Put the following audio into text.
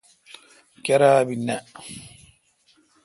کیراب نہ۔